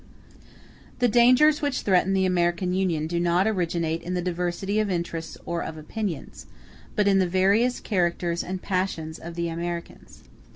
The dangers which threaten the American Union do not originate in the diversity of interests or of opinions, but in the various characters and passions of the Americans.